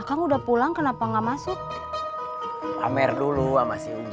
akan udah pulang kenapa nggak masuk pamer dulu ama si ujang sini